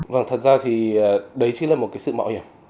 vâng thật ra thì đấy chính là một cái sự mạo hiểm